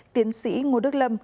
tiến sĩ ngô đức lâm